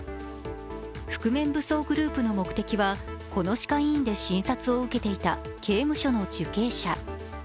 覆面武装グループの目的は、この歯科医院で診察を受けていた刑務所の受刑者。